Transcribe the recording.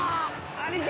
兄貴！